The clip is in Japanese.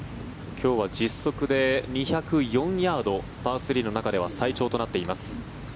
今日は実測で２０４ヤードパー３の中では最長となっています。